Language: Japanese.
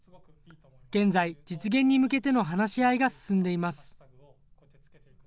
現在、実現に向けての話し合いが進んでいます。